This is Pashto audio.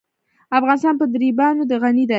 افغانستان په دریابونه غني دی.